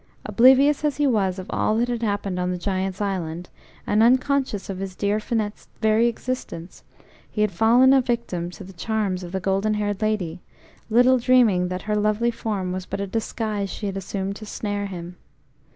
Oblivious as he was of all that had happened on the Giant's island, and unconscious of his dear Finette's very existence, he had fallen a victim to the charms of the golden haired lady, little dreaming that her lovely form was but a disguise she had assumed to snare him.